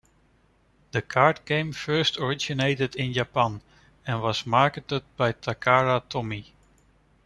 The card game first originated in Japan and was marketed by Takara Tomy.